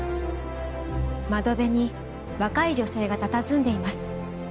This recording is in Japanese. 窓辺に若い女性がたたずんでいます。